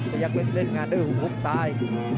ประยักษ์เล็กเล่นงานด้วยหุ้มหุ้มซ้าย